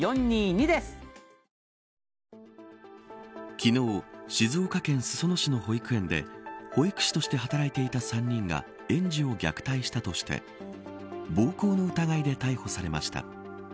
昨日、静岡県裾野市の保育園で保育士として働いていた３人が園児を虐待したとして暴行の疑いで逮捕されました。